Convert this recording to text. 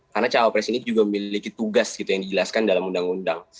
karena cawapres ini juga memiliki tugas yang dijelaskan dalam undang undang